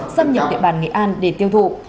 xâm nhập địa bàn nghị an để tiêu thụ